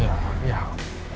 yang jadi gila lah